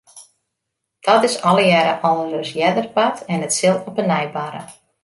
Dat is allegearre al ris earder bard en it sil op 'e nij barre.